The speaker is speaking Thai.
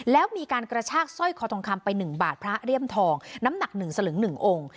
แล้วมีการกระชากสร้อยคอทองคำไป๑บาทพระเลี่ยมทองน้ำหนัก๑สลึง๑องค์